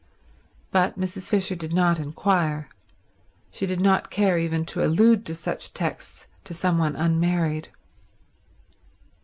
But Mrs. Fisher did not inquire. She did not care even to allude to such texts to some one unmarried.